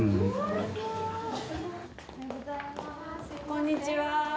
こんにちは